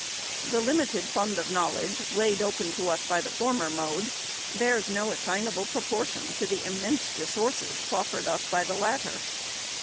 The limited fund of knowledge laid open to us by the former mode bears no assignable proportion to the immense resources proffered us by the latter.